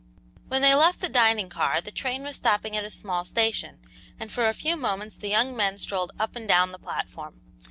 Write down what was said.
When they left the dining car the train was stopping at a small station, and for a few moments the young men strolled up and down the platform.